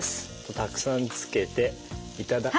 たくさんつけて頂き。